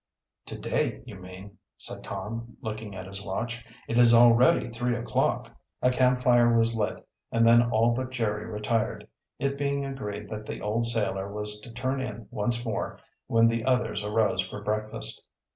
"To day, you mean," said Tom, looking at his watch. "It is already three o'clock." A camp fire was lit and then all but Jerry retired, it being agreed that the old sailor was to turn in once more when the others arose for breakfast.